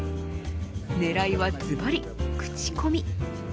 狙いは、ずばり口コミ。